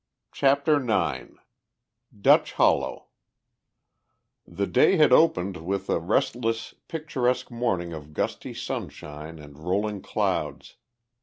CHAPTER IX DUTCH HOLLOW The day had opened with a restless picturesque morning of gusty sunshine and rolling clouds.